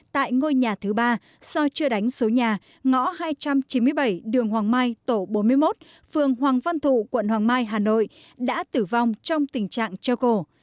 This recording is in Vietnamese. tại ngôi nhà thứ ba do chưa đánh số nhà ngõ hai trăm chín mươi bảy đường hoàng mai tổ bốn mươi một phường hoàng văn thụ quận hoàng mai hà nội đã tử vong trong tình trạng treo cổ